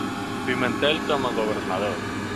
Pimentel como gobernador